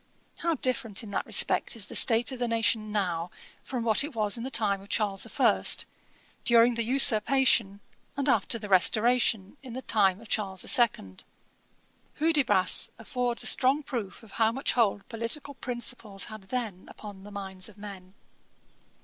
How different in that respect is the state of the nation now from what it was in the time of Charles the First, during the Usurpation, and after the Restoration, in the time of Charles the Second. Hudibras affords a strong proof how much hold political principles had then upon the minds of men.